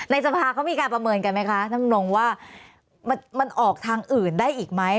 สภาเขามีการประเมินกันไหมคะท่านดำรงว่ามันออกทางอื่นได้อีกไหม